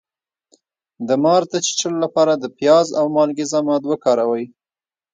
د مار د چیچلو لپاره د پیاز او مالګې ضماد وکاروئ